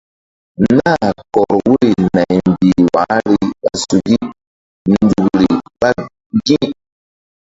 Nah kɔr wuri naymbih wahri ɓa suki nzukri ɓa ŋgi̧.